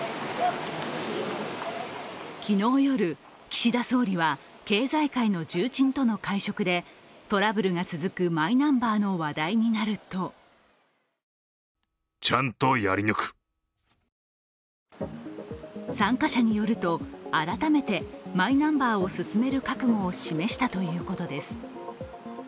昨日夜、岸田総理は経済界の重鎮との会食でトラブルが続くマイナンバーの話題になると参加者によると、改めてマイナンバーを進める覚悟を示したということです。